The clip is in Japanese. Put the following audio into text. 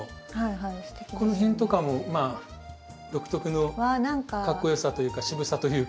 この辺とかもまあ独特のかっこよさというか渋さというか。